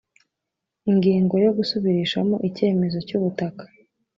Ingingo yo Gusubirishamo icyemezo cy’ubutaka